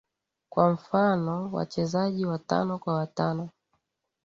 kwa mfano wachezaji watano kwa watano